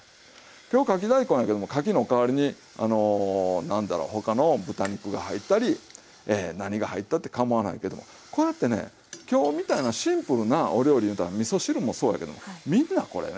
今日かき大根やけどもかきの代わりにあの何だろう他の豚肉が入ったり何が入ったってかまわないけどもこうやってね今日みたいなシンプルなお料理いうたらみそ汁もそうやけどもみんなこれね